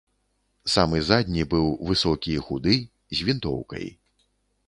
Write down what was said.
Самы задні быў высокі і худы, з вінтоўкай.